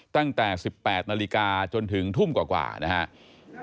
ตั้งแต่๑๘นาฬิกาจนถึงทุ่มกว่านะครับ